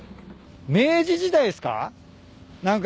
明治時代っすか？